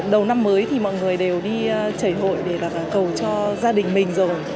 đầu năm mới thì mọi người đều đi chảy hội để cầu cho gia đình mình rồi